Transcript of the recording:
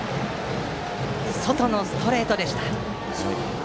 外のストレートでした。